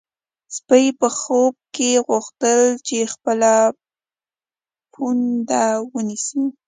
سپی په خوب کې غوښتل چې خپل پونده ونیسي.